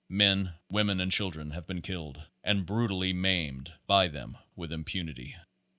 Men, women and children have been killed and brutally maimed by them with impunity.